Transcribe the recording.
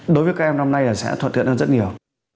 đối với các em năm nay là sẽ thuận tiện hơn rất nhiều